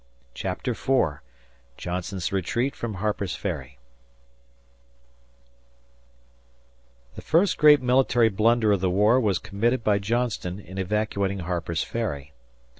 CHAPTER IV JOHNSTON'S RETREAT FROM HARPER'S FERRY THE first great military blunder of the war was committed by Johnston in evacuating Harper's Ferry.